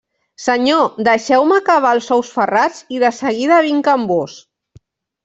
Senyor! Deixeu-me acabar els ous ferrats i de seguida vinc amb vós.